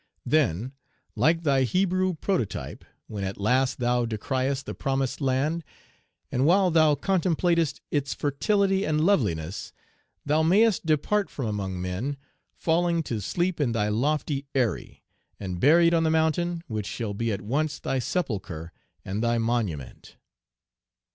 Then, like thy Hebrew prototype, when at last thou descriest the promised land, and while thou contemplatest its fertility and loveliness, thou mayest depart from "among men," falling to sleep in thy lofty eyrie, and buried on the mountain, which shall be at once thy sepulchre and thy monument.